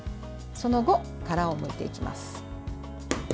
その後、殻をむいていきます。